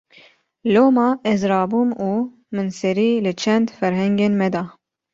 Loma ez rabûm û min serî li çend ferhengên me da